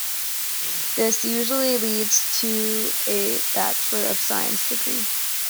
This usually leads to a Bachelor of Science degree.